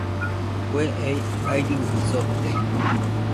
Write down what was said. Kue ei airɨjɨ sote.